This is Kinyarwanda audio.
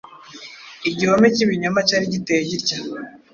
Igihome cy’ibinyoma cyari giteye gitya: